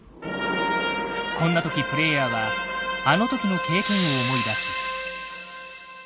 こんな時プレイヤーはあの時の経験を思い出す。